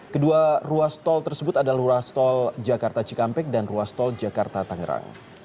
kedua ruas tol tersebut adalah ruas tol jakarta cikampek dan ruas tol jakarta tangerang